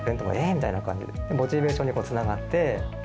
みたいな感じで、モチベーションにつながって。